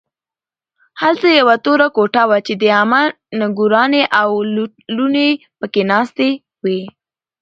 هلته یوه توره کوټه وه چې د عمه نګورانې او لوڼې پکې ناستې وې